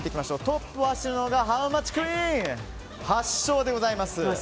トップを走っているのはハウマッチクイーン８勝でございます。